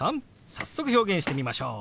早速表現してみましょう！